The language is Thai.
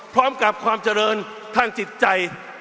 พร้อมกับความเจริญทางจิตใจ